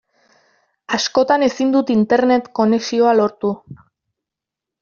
Askotan ezin dut Internet konexioa lortu.